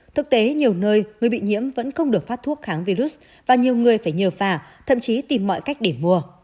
thực tế nhiều nơi người bị nhiễm vẫn không được phát thuốc kháng virus và nhiều người phải nhờ phà thậm chí tìm mọi cách để mua